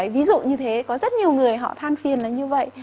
ví dụ như thế có rất nhiều người họ than phiền là như vậy